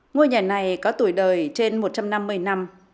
ngôi nhà này có tuổi đời trên một trăm năm mươi năm